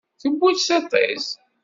Tewwi-t tiṭ-is.